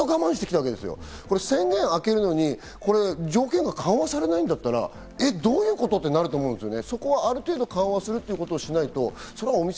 飲食店などが緊急事態宣言をずっと我慢してきたわけですよ、宣言が明けるのに条件が緩和されないんだったら、どういうことってなると思うんですね。